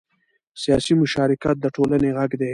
سیاسي مشارکت د ټولنې غږ دی